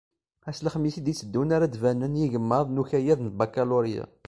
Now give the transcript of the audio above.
Ass n lexmis i d-itteddun ara d-banen yigmaḍ n ukayad n bakalurya.